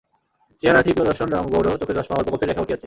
চেহারাটি প্রিয়দর্শন, রঙ গৌর, চোখে চশমা, অল্প গোঁফের রেখা উঠিয়াছে।